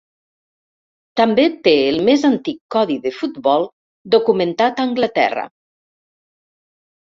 També té el més antic codi de futbol documentat a Anglaterra.